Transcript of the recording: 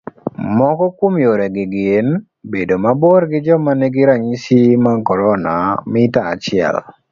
Moko kuom yorego gin, bedo mabor gi joma nigi ranyisi mag corona mita achiel